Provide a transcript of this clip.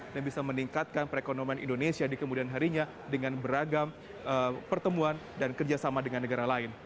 dan bisa meningkatkan perekonomian indonesia di kemudian harinya dengan beragam pertemuan dan kerjasama dengan negara lain